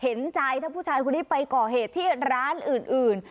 เห็นใจถ้าผู้ชายคนนี้ไปก่อเหตุที่ร้านอื่น